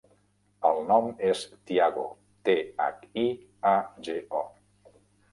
El nom és Thiago: te, hac, i, a, ge, o.